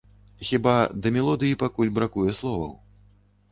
Хіба, да мелодыі пакуль бракуе словаў.